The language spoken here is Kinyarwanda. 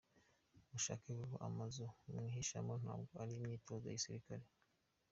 Mushake vuba amazu mwihishamo ntabwo ari imyitozo ya gisirikare.